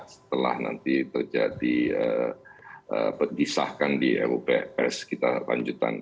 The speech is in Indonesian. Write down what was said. setelah nanti terjadi pedisahkan di rups kita lanjutan